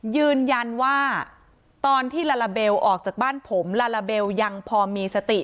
ยืนยันว่าตอนที่ลาลาเบลออกจากบ้านผมลาลาเบลยังพอมีสติ